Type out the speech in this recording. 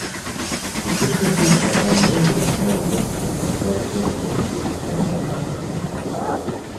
The differences are by no means monolithic as representing one group or another.